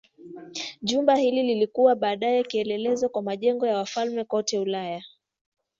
Jumba hili lilikuwa baadaye kielelezo kwa majengo ya wafalme kote Ulaya.